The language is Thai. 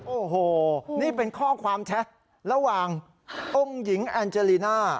โอ้โหนี่เป็นข้อความแชทระหว่างองค์หญิงแอนเจลีน่า